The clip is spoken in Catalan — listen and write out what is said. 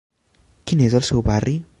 Quin és el seu barri?